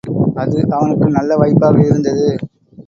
அது அவனுக்கு நல்ல வாய்ப்பாக இருந்தது.